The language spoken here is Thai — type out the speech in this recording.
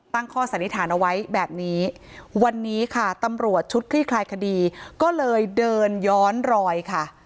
ข้อสันนิษฐานเอาไว้แบบนี้วันนี้ค่ะตำรวจชุดคลี่คลายคดีก็เลยเดินย้อนรอยค่ะ